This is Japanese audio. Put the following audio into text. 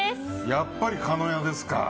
やっぱり鹿屋ですか。